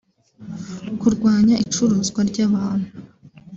kurwanya icuruzwa ry’abantu